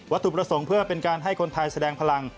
ถูกประสงค์เพื่อเป็นการให้คนไทยแสดงพลัง